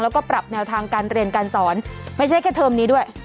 แล้วก็ปรับแนวทางการเรียนการสอนไม่ใช่แค่เทอมนี้ด้วย